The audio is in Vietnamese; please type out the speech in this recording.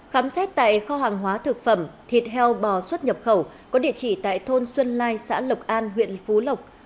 khám xét tại kho hàng hóa thực phẩm thịt heo bò xuất nhập khẩu có địa chỉ tại thôn xuân lai xã lộc an huyện phú lộc